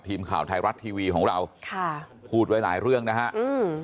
ทีมข่าวไทยรัฐทีวีของเราค่ะพูดไว้หลายเรื่องนะฮะอืม